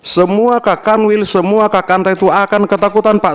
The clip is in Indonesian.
semua kak kanwil semua kak kantai itu akan ketakutan pak